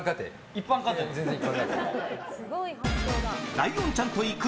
ライオンちゃんと行く！